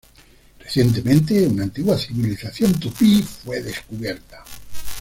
Recientemente, una antigua civilización tupí fue descubierta.